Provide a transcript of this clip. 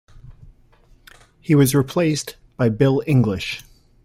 He was replaced by Bill English.